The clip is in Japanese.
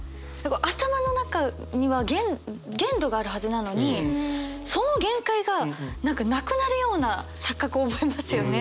頭の中には限度があるはずなのにその限界が何かなくなるような錯覚を覚えますよね。